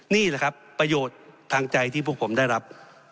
นี่แหละครับประโยชน์ทางใจที่พวกผมได้รับ